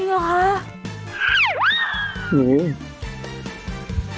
จริงหรอ